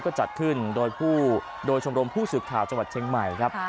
ก็จัดขึ้นโดยชงโรมผู้สื่อข่าวจังหวัดเทงใหม่ครับ